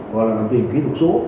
hoặc là đồng tiền kỹ thuật số